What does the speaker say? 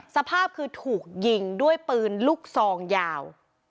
สภาพคือถูกยิงด้วยปืนลูกซองยาว